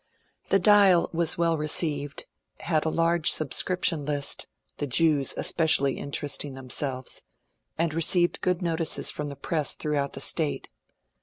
The ^^ Dial " was well received, had a large subscription list, — the Jews especially interesting themselves, — and received good notices from the press throughout the State.